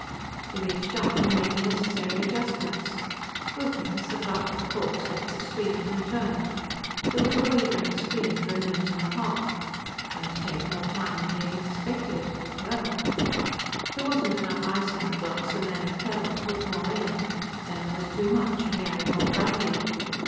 He reached out and made the necessary adjustments. Wilkins, the Clerk of the Courts, left the screen, and returned. There was a wavering scream for a minute and a half. Going to take more time than he had expected. Well.... There wasn't enough ice in the glass, and Leonard Kellogg put more in. Then there was too much, and he added more brandy.